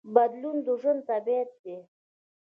بدلون د ژوند طبیعت دی.